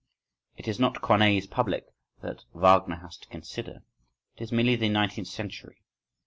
It is not Corneille's public that Wagner has to consider, it is merely the nineteenth century.